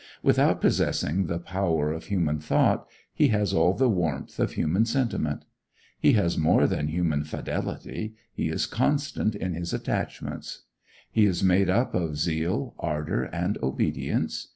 Without possessing the power of human thought, he has all the warmth of human sentiment. He has more than human fidelity, he is constant in his attachments. He is made up of zeal, ardor, and obedience.